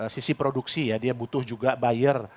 sisi produksi dia butuh juga bayar